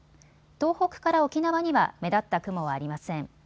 東北から沖縄には目立った雲はありません。